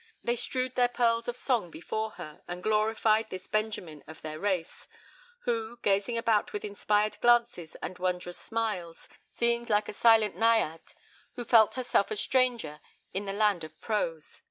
They strewed their pearls of song before her, and glorified this Benjamin of their race, who, gazing about with inspired glances and wondrous smiles, seemed like a silent Naiad, who felt herself a stranger in the land of prose."